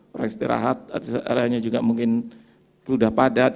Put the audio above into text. orang istirahat rest area nya juga mungkin sudah padat